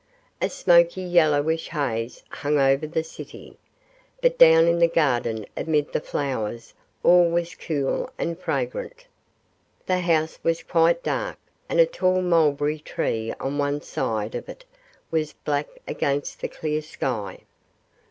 A smoky yellowish haze hung over the city, but down in the garden amid the flowers all was cool and fragrant. The house was quite dark, and a tall mulberry tree on one side of it was black against the clear sky.